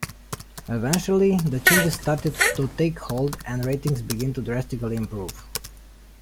Eventually, the changes started to take hold and ratings began to drastically improve.